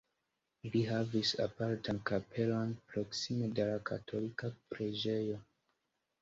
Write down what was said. Ili havis apartan kapelon proksime de la katolika preĝejo.